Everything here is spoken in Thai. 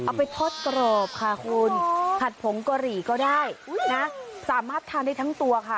เอาไปทอดกรอบค่ะคุณผัดผงกะหรี่ก็ได้นะสามารถทานได้ทั้งตัวค่ะ